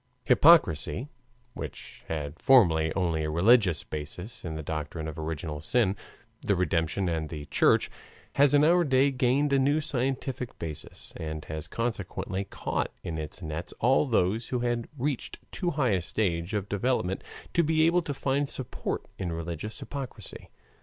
Hypocrisy, which had formerly only a religious basis in the doctrine of original sin, the redemption, and the Church, has in our day gained a new scientific basis and has consequently caught in its nets all those who had reached too high a stage of development to be able to find support in religious hypocrisy.